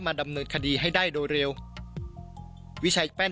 มาดำเนิดคดีให้ได้โดยเร็ว